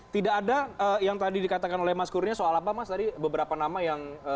tidak ada yang tadi dikatakan oleh mas kurnia soal apa mas tadi beberapa nama yang